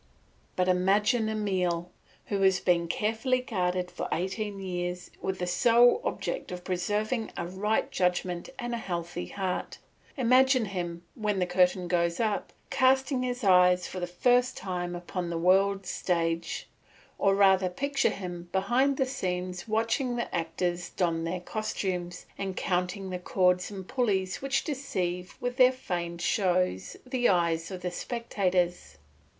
But imagine my Emile, who has been carefully guarded for eighteen years with the sole object of preserving a right judgment and a healthy heart, imagine him when the curtain goes up casting his eyes for the first time upon the world's stage; or rather picture him behind the scenes watching the actors don their costumes, and counting the cords and pulleys which deceive with their feigned shows the eyes of the spectators.